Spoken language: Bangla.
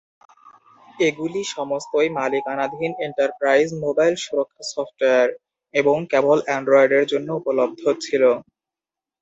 এগুলি সমস্তই মালিকানাধীন এন্টারপ্রাইজ মোবাইল সুরক্ষা সফ্টওয়্যার এবং কেবল অ্যান্ড্রয়েডের জন্য উপলব্ধ ছিল।